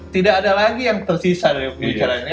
tidak ada lagi yang tersisa dari pembicaranya